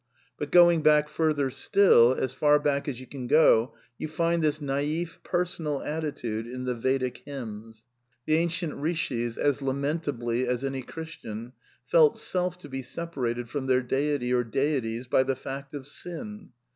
But going back further still, as far back as you can go, you find this naif personal attitude in the Vedic Hymns. The ancient Kishis, as lamentably as any Chris tian, felt " self " to be separated from their deity or deities by the fact of sin.